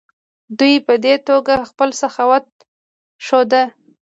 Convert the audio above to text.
دوی په دې توګه خپل سخاوت ښوده.